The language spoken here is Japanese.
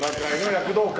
躍動感。